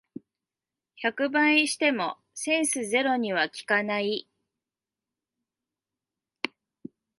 百倍してもセンスゼロには効かない